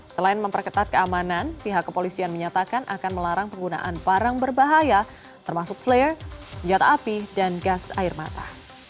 selain memperketat keamanan pihak kepolisian menyatakan akan melarang penggunaan barang berbahaya termasuk flare senjata api dan gas air mata